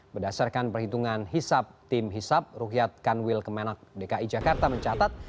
berdasarkan perhitungan hisap tim hisap ruhyat kanwil kemenak dki jakarta mencatat